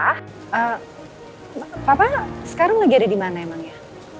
ah papa sekarang lagi ada di mana emang ya